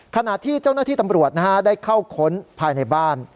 ขณะที่เจ้าหน้าที่ตำรวจได้เข้าค้นภายในบ้าน